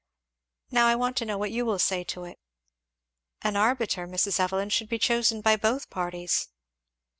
Now I want to know what you will say to it." "An arbiter, Mrs. Evelyn, should be chosen by both parties."